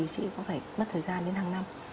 chị cũng phải mất thời gian đến hàng năm